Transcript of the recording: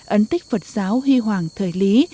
ấn tích phật giáo huy hoàng thời lý